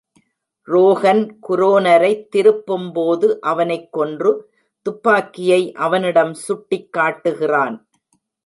ரோகன் குரோனரைத் திருப்பும்போது அவனைக் கொன்று, துப்பாக்கியை அவனிடம் சுட்டிக்காட்டுகிறான்.